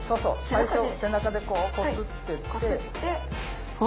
最初背中でこうこすってって。